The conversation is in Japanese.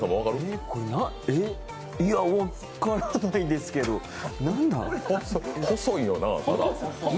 いや、分からないですけど細いよなあ。